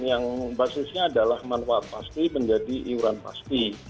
yang basisnya adalah manfaat pasti menjadi iuran pasti